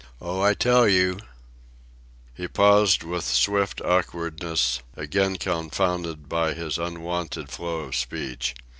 Oh, I tell you " He paused with swift awkwardness, again confounded by his unwonted flow of speech.